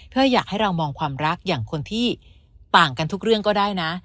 เพื่ออยากให้เรามองความรักอย่างคนที่ต่างกันทุกเรื่องก็ได้นะ